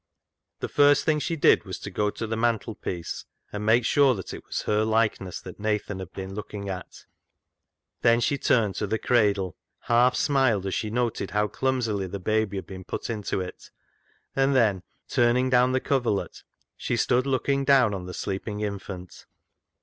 The first thing she did was to go to the mantelpiece and make sure that it was her likeness that Nathan had been looking at. Then she turned to the cradle, half smiled as she noted how clumsily the baby had been put into it, and then, turning down the coverlet, she stood looking down on the sleeping infant.